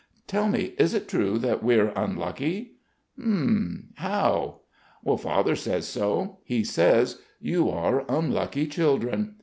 Tell me, is it true that we're unlucky?" "H'm ... how?" "Father says so. He says: 'You are unlucky children.'